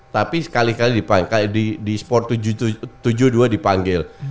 tapi sekali kali di sport tujuh puluh dua dipanggil